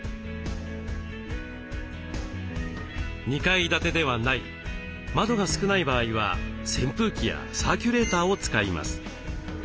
２階建てではない窓が少ない場合は扇風機やサーキュレーターを使います。